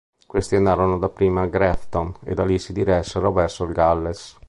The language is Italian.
Questi andarono dapprima a Grafton e da lì si diressero verso il Galles.